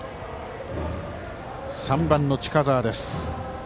３番の近澤です。